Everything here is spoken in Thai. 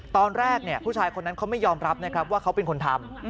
ตอนแรกผู้ชายคนนั้นเขาไม่ยอมรับนะครับว่าเขาเป็นคนทำ